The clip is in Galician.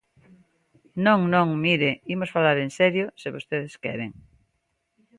Non, non, mire, imos falar en serio, se vostedes queren.